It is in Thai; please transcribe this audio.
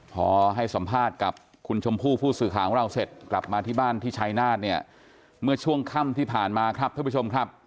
พอให้สัมภาษณ์กับคุณชมพู่ผู้สื่อข่าวของเราเสร็จกลับมาที่บ้านที่ชายนาฏเนี่ยเมื่อช่วงค่ำที่ผ่านมาครับท่านผู้ชมครับ